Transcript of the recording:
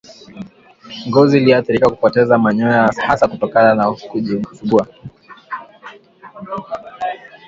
Ngozi iliyoathirika hupoteza manyoya hasa kutokana na kujisugua